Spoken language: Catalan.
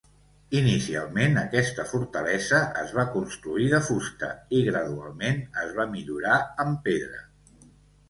Inicialment aquesta fortalesa es va construir de fusta i gradualment es va millorar amb pedra.